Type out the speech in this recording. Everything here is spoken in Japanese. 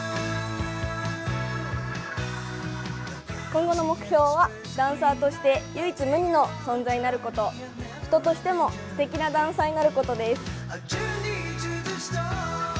今後の目標はダンサーとして唯一無二の存在になること、人としてもすてきなダンサーになることです。